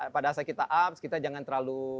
pada saat kita ups kita jangan terlalu